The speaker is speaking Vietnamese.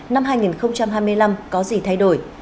năm hai nghìn hai mươi năm có gì thay đổi